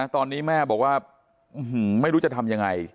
ตอนนี้แม่บอกว่าไม่รู้จะทำยังไง